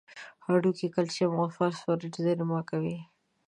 هډوکي کلسیم او فاسفورس زیرمه کوي.